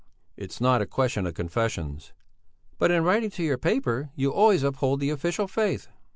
"It's not a question of confessions." "But in writing to your paper, you always uphold the official faith."